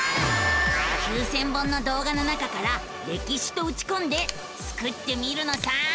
９，０００本の動画の中から「歴史」とうちこんでスクってみるのさ！